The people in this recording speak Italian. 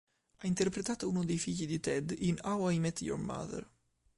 Ha interpretato uno dei figli di Ted in "How I Met Your Mother".